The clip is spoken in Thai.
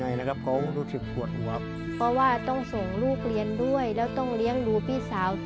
ยังไงนะครับเขารู้สึกปวดหัวเพราะว่าต้องส่งลูกเรียนด้วยแล้วต้องเลี้ยงดูพี่สาว